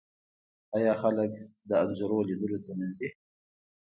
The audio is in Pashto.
آیا خلک د انځورونو لیدلو ته نه ځي؟